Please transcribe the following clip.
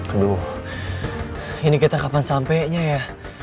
aduh ini kita kapan sampainya ya